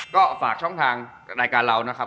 ก็ฝากช่องทางรายการเรานะครับ